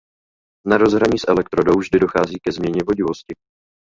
Na rozhraní s elektrodou vždy dochází ke změně vodivosti.